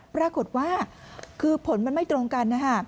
ปรากฏว่าคือผลมันไม่ตรงกันนะฮะ